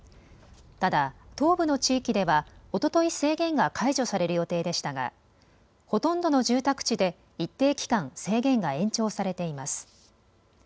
ただ東部の地域ではおととい制限が解除される予定でしたがほとんどの住宅地で一定期間制限が延長されています。